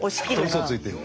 うそついてる。